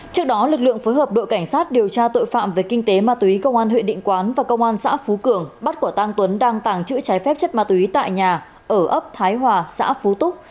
trước đó lực lượng phối hợp đội cảnh sát điều tra tội phạm về kinh tế ma túy công an huyện định quán và công an xã phú cường bắt quả tang tuấn đang tàng trữ trái phép chất ma túy tại nhà ở ấp thái hòa xã phú túc